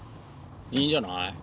いいんじゃない？